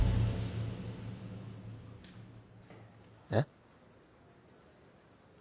えっ？